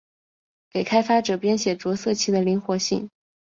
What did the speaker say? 给开发者编写着色器的灵活性。